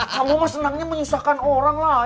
kamu mah senangnya menyusahkan orang lah